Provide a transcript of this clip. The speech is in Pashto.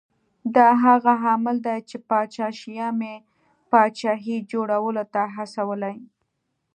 دا هغه عامل دی چې پاچا شیام یې پاچاهۍ جوړولو ته هڅولی